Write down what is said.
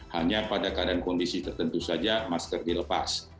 hanya pada keadaan kondisi tertentu saja masker dilepas